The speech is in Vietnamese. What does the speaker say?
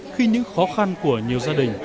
khi những khó khăn của nhiều gia đình